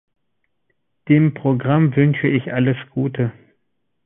Dem Programm wünsche ich alles Gute!